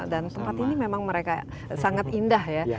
dan tempat ini memang mereka sangat indah ya